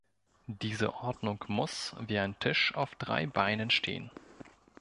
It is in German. Diese Ordnung muss - wie ein Tisch auf drei Beinen stehen.